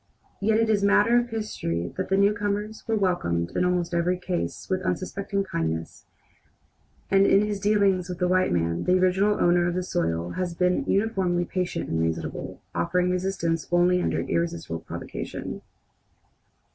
Yet it is matter of history that the newcomers were welcomed in almost every case with unsuspecting kindness, and in his dealings with the white man the original owner of the soil has been uniformly patient and reasonable, offering resistance only under irresistible provocation.